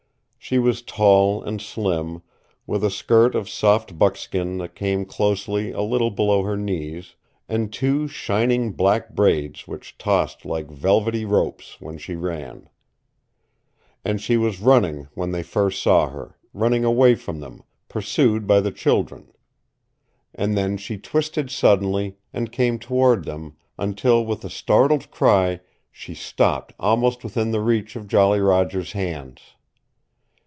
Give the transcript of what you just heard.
She was tall and slim, with a skirt of soft buckskin that came only a little below her knees, and two shining black braids which tossed like velvety ropes when she ran. And she was running when they first saw her running away from them, pursued by the children; and then she twisted suddenly, and came toward them, until with a startled cry she stopped almost within the reach of Jolly Roger's hands.